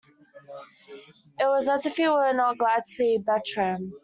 It was as if he were not glad to see Bertram.